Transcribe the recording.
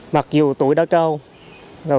mặc dù tuổi đã trao